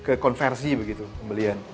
ke konversi begitu pembelian